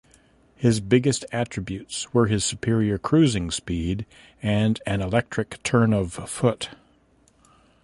His biggest attributes were his superior cruising speed and an electric turn of foot.